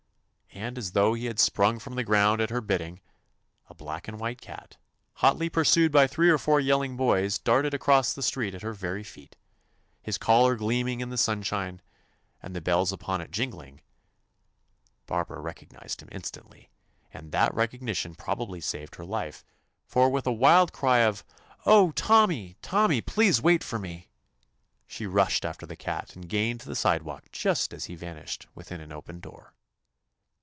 and as though he had sprung from the ground at her bid ding, a black and white cat, hotly pursued by three or four yelling boys, darted across the street at her very feet, his collar gleaming in the sun shine, and the bells upon it jingling. Barbara recognized him instantly, and that recognition probably saved her life, for with a wild cry of, "Oh, 152 TOMMY POSTOFFICE Tommy, Tommy, please wait for me I" she rushed after the cat and gained the sidewalk just as he van ished within an open door.